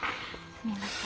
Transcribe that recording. すみません。